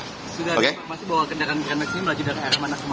sudah diangkat masih bahwa kendaraan grand mag ini melaju dari mana